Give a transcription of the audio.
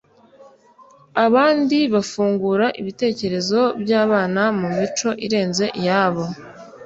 Abandi bafungura ibitekerezo byabana mumico irenze iyabo